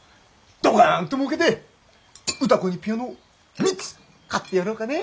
ドカンともうけて歌子にピアノを３つ買ってやろうかね。